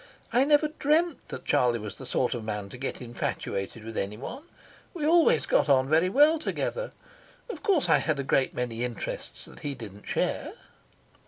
I sever dreamed that Charlie was the sort of man to get infatuated with anyone. We always got on very well together. Of course, I had a great many interests that he didn't share."